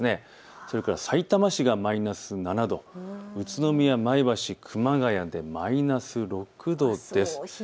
それからさいたま市がマイナス７度、宇都宮、前橋、熊谷でマイナス６度です。